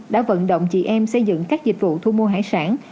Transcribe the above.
đã vận động chị em xây dựng các dịch vụ thu mua hải sản